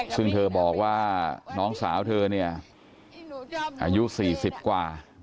ซึ่งเธอบอกว่าน้องสาวเธอเนี่ยอายุ๔๐กว่า